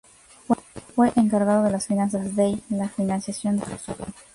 Fue encargado de las finanzas dey la financiación de la ciudad.